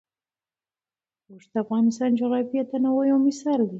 اوښ د افغانستان د جغرافیوي تنوع یو مثال دی.